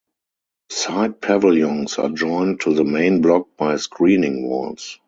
Side pavilions are joined to the main block by screening walls.